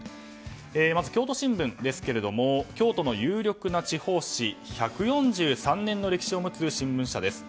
まず京都新聞ですが京都の有力な地方紙１４３年の歴史を持つ新聞社です。